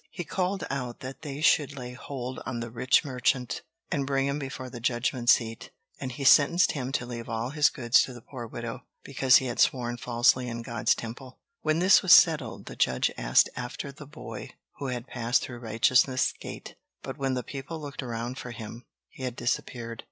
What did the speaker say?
He called out that they should lay hold on the rich merchant, and bring him before the judgment seat. And he sentenced him to leave all his goods to the poor widow, because he had sworn falsely in God's Temple. When this was settled, the judge asked after the boy who had passed through Righteousness' Gate; but when the people looked around for him, he had disappeared.